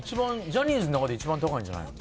ジャニーズの中で一番高いんじゃないの？